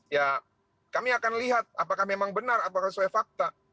ya kami akan lihat apakah memang benar apakah sesuai fakta